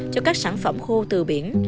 cho các sản phẩm khô từ biển